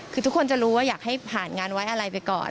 คือทุกคนจะรู้ว่าอยากให้ผ่านงานไว้อะไรไปก่อน